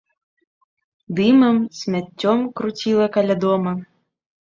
Дымам, смяццём круціла каля дома.